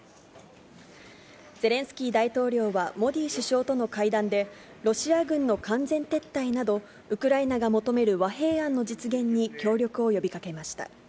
ゼレンスキー大統領はモディ首相との会談で、ロシア軍の完全撤退など、ウクライナが求める和平案の実現に協力を呼びかけました。